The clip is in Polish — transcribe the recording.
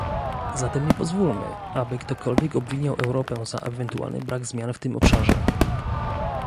Zatem nie pozwólmy, aby ktokolwiek obwiniał Europę za ewentualny brak zmian w tym obszarze